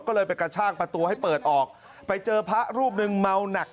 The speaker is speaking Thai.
ก็เลยไปกระชากประตูให้เปิดออกไปเจอพระรูปหนึ่งเมาหนัก